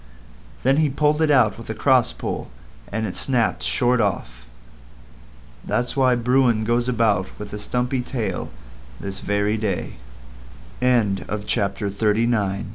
Then he pulled it out with a cross pull, and it snapped short off. That's why Bruin goes about with a stumpy tail this very day. BOOTS WHO MADE THE PRINCE